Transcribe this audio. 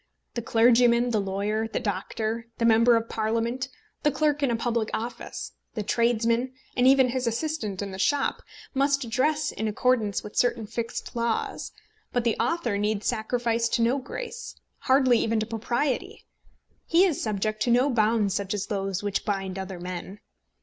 The clergyman, the lawyer, the doctor, the member of Parliament, the clerk in a public office, the tradesman, and even his assistant in the shop, must dress in accordance with certain fixed laws; but the author need sacrifice to no grace, hardly even to Propriety. He is subject to no bonds such as those which bind other men.